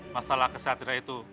masalah kesatria itu